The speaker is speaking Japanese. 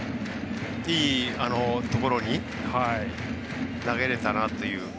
いいところに投げれたなという。